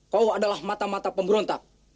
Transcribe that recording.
kau adalah mata mata pemberontak